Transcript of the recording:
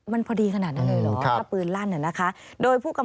มันพอดีขนาดนั้นเลยหรอ